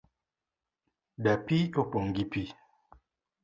Dapii opong' gi pii